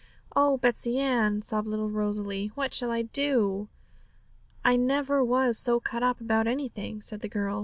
'Oh, Betsey Ann,' sobbed little Rosalie, 'what shall I do?' 'I never was so cut up about anything,' said the girl.